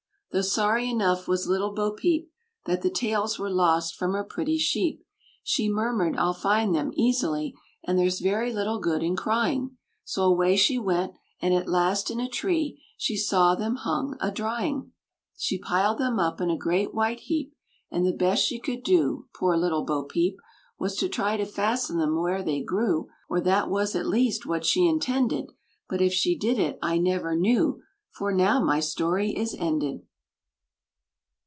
Though sorry enough was little Bo Peep That the tails were lost from her pretty sheep, She murmured, "I'll find them easily, And there's very little good in crying!" So away she went, and at last, in a tree, She saw them hung a drying! She piled them up in a great white heap, And the best she could do, poor little Bo Peep! Was to try to fasten them where they grew Or that was, at least, what she intended, But if she did it I never knew, For now my story is ended!